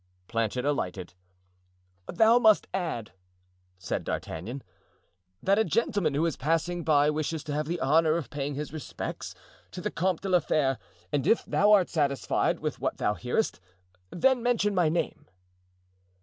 Planchet alighted. "Thou must add," said D'Artagnan, "that a gentleman who is passing by wishes to have the honor of paying his respects to the Comte de la Fere, and if thou art satisfied with what thou hearest, then mention my name!"